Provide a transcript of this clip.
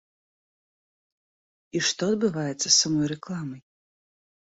І што адбываецца з самой рэкламай?